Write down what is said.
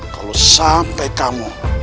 kalau sampai kamu